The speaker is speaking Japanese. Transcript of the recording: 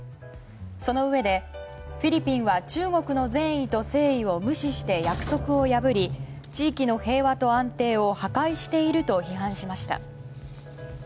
そのうえで、フィリピンは中国の善意と誠意を無視して約束を破り地域の平和と安定を破壊していると批判しました。